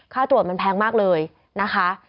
ค่าตรวจมันแพงมากเลยนะคะ